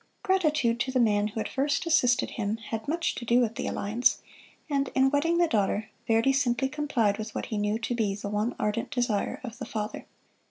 Gratitude to the man who had first assisted him had much to do with the alliance; and in wedding the daughter, Verdi simply complied with what he knew to be the one ardent desire of the father.